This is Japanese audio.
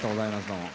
どうも。